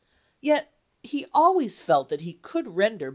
Yet he always felt that he could render ibid.